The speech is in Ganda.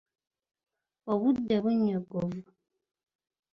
Obudde bunnyogovu.